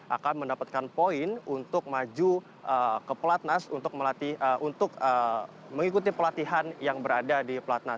akan mendapatkan poin untuk maju ke pelatnas untuk mengikuti pelatihan yang berada di pelatnas